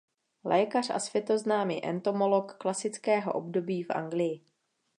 Lékař a světoznámý entomolog klasického období v Anglii.